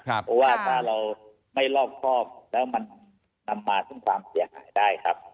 เพราะว่าถ้าเราไม่รอบครอบแล้วมันนำมาซึ่งความเสียหายได้ครับ